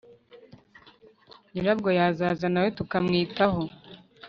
nyirabwo yazaza nawe tukamwitaho"